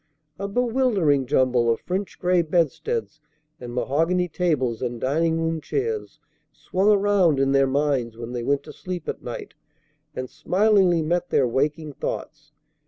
A bewildering jumble of French gray bedsteads and mahogany tables and dining room chairs swung around in their minds when they went to sleep at night, and smilingly met their waking thoughts.